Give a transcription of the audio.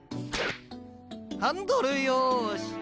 ハンドルよし。